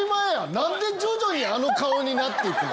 何で徐々にあの顔になって行くねん！